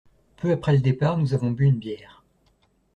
Peu après le départ, nous avons bu une bière.